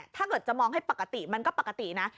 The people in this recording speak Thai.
ถ้าเกิดจะมองให้ปกติมันก็ปกตินะ